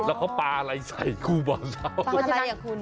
แล้วเขาปลาอะไรใส่กูบ่าเช้า